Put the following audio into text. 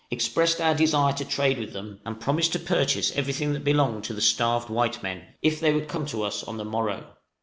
expressed our desire to trade with them, and promised to purchase everything which belonged to the starved white men, if they would come to us on the morrow.